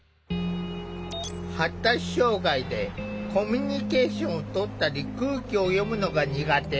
発達障害でコミュニケーションをとったり空気を読むのが苦手。